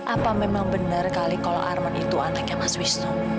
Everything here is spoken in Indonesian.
apa memang benar kali kalau arman itu anaknya mas wisnu